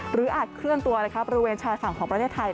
อาจเคลื่อนตัวบริเวณชายฝั่งของประเทศไทย